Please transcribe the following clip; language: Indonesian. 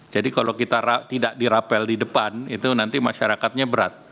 jadi kalau kita tidak di rapel di depan itu nanti masyarakatnya berat